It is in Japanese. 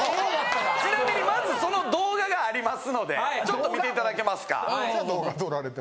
ちなみにまずその動画がありますのでちょっと見て頂けますか。